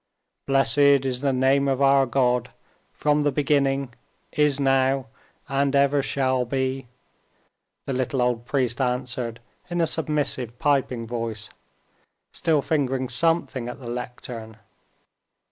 "Blessed is the name of our God, from the beginning, is now, and ever shall be," the little old priest answered in a submissive, piping voice, still fingering something at the lectern.